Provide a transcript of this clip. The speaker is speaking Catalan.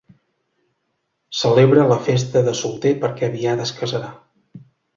Celebra la festa de solter perquè aviat es casarà.